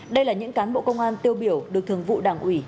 đây là những cán bộ công an tiêu biểu được thường vụ đảng ủy